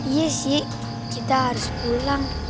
iya sih kita harus pulang